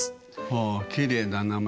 ほうきれいな名前。